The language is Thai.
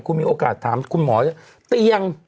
คุณมีโอกาสถามคุณหมอเตียง